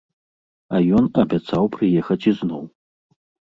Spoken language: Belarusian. А ён абяцаў прыехаць ізноў.